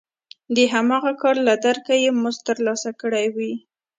د هماغه کار له درکه یې مزد ترلاسه کړی وي